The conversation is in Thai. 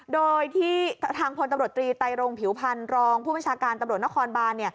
โดยที่ทางพลตำรวจตรีไตรรงผิวพันธ์รองผู้บัญชาการตำรวจนครบาน